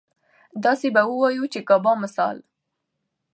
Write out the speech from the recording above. داسې به اووايو چې د ګابا مثال